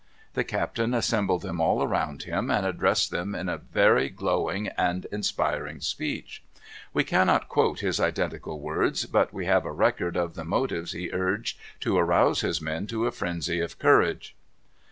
The captain assembled them all around him, and addressed them in a very glowing and inspiring speech. We cannot quote his identical words. But we have a record of the motives he urged to rouse his men to a frenzy of courage.